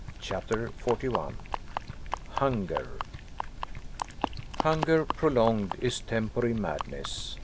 CHAPTER 41 HUNGER Hunger, prolonged, is temporary madness!